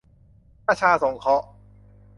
ประชาสงเคราะห์